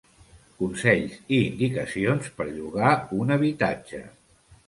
Consells i indicacions per llogar un habitatge.